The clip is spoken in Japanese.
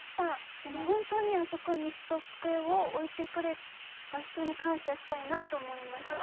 でもほんとにあそこにイスと机を置いてくれた人に感謝したいなと思いました。